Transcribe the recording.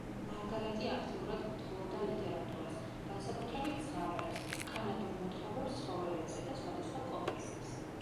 მარგარეტი აქტიურად კითხულობდა ლიტერატურას, განსაკუთრებით ზღაპრებს, კანადურ მოთხრობებს ცხოველებზე და სხვადასხვა კომიქსებს.